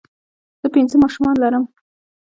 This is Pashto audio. زۀ پنځه ماشومان لرم